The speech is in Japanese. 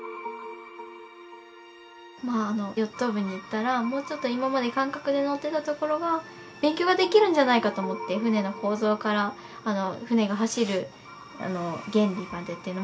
まああのヨット部に行ったらもうちょっと今まで感覚で乗ってたところが勉強ができるんじゃないかと思って船の構造から船が走る原理までっていうのも。